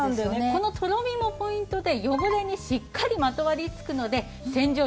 このとろみもポイントで汚れにしっかりまとわりつくので洗浄力が増します。